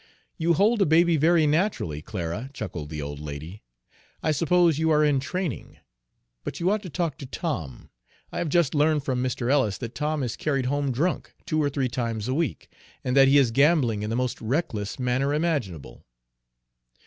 "You hold a baby very naturally, Clara," chuckled the old lady. "I suppose you are in training. But you ought to talk to Tom. I have just learned from Mr. Ellis that Tom is carried home drunk two or three times a week, and that he is gambling in the most reckless manner imaginable."